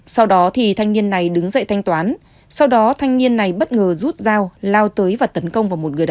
sau đó thì thanh niên này đứng dậy thanh toán